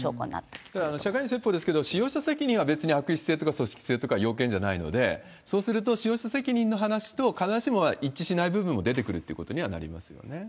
ただ、釈迦に説法ですけど、使用者責任は別に悪質性とか組織性とか要件じゃないので、そうすると、使用者責任の話と必ずしも一致しない部分も出てくるってことにはなりますよね。